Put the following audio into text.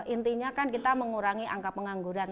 intinya kan kita mengurangi angka pengangguran